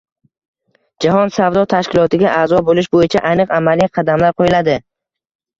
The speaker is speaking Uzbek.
Jahon savdo tashkilotiga a’zo bo‘lish bo‘yicha aniq amaliy qadamlar qo‘yiladi.